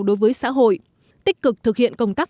đối với xã hội tích cực thực hiện công tác